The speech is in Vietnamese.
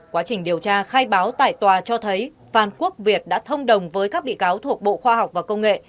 quá trình điều tra khai báo tại tòa cho thấy phan quốc việt đã thông đồng với các bị cáo thuộc bộ khoa học và công nghệ